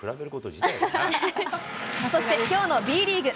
そして、きょうのＢリーグ。